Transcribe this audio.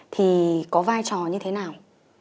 thì có vai trò như thế nào